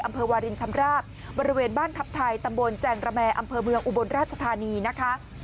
วารินชำราบบริเวณบ้านทัพไทยตำบลแจงระแมอำเภอเมืองอุบลราชธานีนะคะ